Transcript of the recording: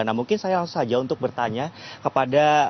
nah mungkin saya langsung saja untuk bertanya kepada